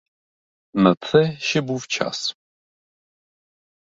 На це, ще був час.